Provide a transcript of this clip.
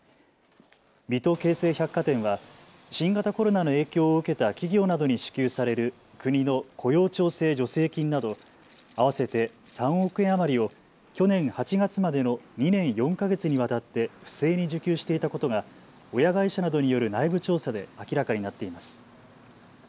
水戸京成百貨店は新型コロナの影響を受けた企業などに支給される国の雇用調整助成金など合わせて３億円余りを去年８月までの２年４か月にわたって不正に受給していたことが親会社などによる内部調査で明らかになっています。